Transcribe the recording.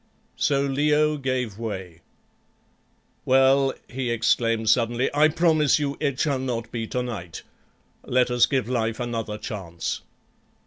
So Leo gave way. "Well," he exclaimed suddenly, "I promise you it shall not be to night. Let us give life another chance."